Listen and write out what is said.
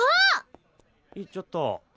行っちゃった。